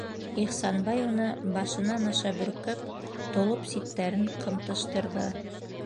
Ихсанбай уны башынан аша бөркәп, толоп ситтәрен ҡымтыштырҙы: